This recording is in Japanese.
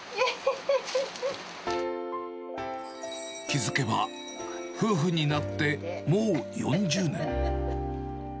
気付けば、夫婦になってもう４０年。